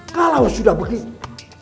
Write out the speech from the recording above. kalau sudah begitu